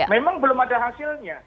memang belum ada hasilnya